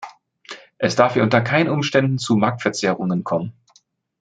Es darf hier unter keinen Umständen zu Marktverzerrungen kommen.